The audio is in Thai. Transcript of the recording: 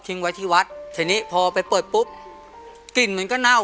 จูเนี่ยนะคนฟูเนี่ยนะ